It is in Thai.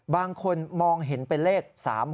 บางคนมองเห็นเป็นเลข๓๖